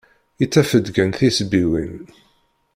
Ittaf-d kan tisebbiwin.